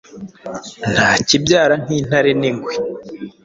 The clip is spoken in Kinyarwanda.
Ntakibyara nk’intare n’ingwe.